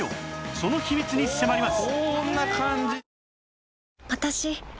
その秘密に迫ります